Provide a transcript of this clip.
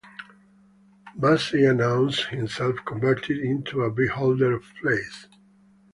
Busy announces himself converted into a "beholder" of plays.